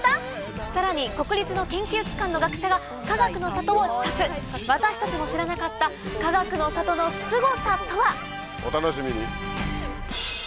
さらに国立の研究機関の学者がかがくの里を視察私たちも知らなかったかがくの里のすごさとは⁉お楽しみに。